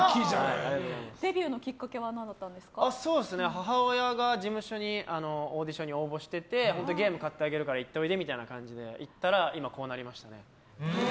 母親が事務所のオーディションに応募しててゲーム買ってあげるから行っておいでみたいに言われて今、こうなりましたね。